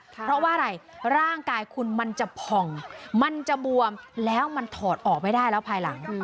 เพราะว่าอะไรร่างกายคุณมันจะผ่องมันจะบวมแล้วมันถอดออกไม่ได้แล้วภายหลัง